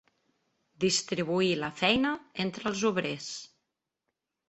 Distribuir la feina entre els obrers.